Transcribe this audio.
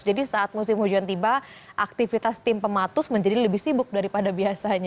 jadi saat musim hujan tiba aktivitas tim pematus menjadi lebih sibuk daripada biasanya